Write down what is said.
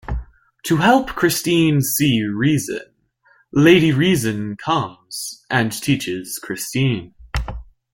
To help Christine see reason, Lady Reason comes and teaches Christine.